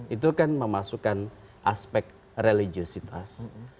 itu kan memasukkan aspek religiositas